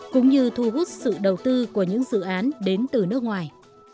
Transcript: cũng như thu hút sự đầu tư của những dự án đến từ nước ngoài